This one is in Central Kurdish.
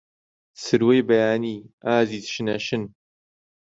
سروەی بەیانی، ئازیز شنە شن